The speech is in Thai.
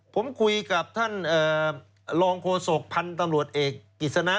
ผมคุยกับท่านรองโฆษกพันธ์ตำรวจเอกกิจสนะ